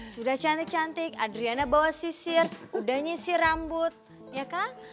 sudah cantik cantik adriana bawa sisir udah nyisi rambut ya kan